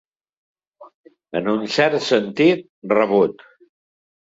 En un cert sentit, rebut.